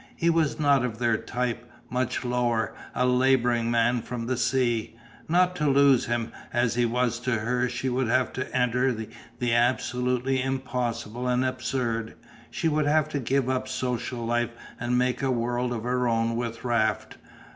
He was not of their type, much lower, a labouring man from the sea. Not to lose him as he was to her she would have to enter the absolutely impossible and absurd, she would have to give up social life and make a world of her own with Raft.